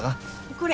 これ。